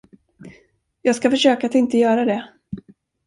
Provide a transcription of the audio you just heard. Jag ska försöka att inte göra det.